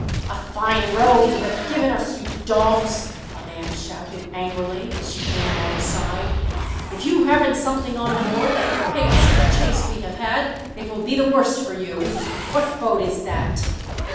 "A fine row you have given us, you dogs!" a man shouted angrily as she came alongside. "If you haven't something on board that will pay us for the chase we have had, it will be the worse for you. What boat is that?"